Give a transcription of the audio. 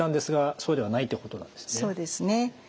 そうですね。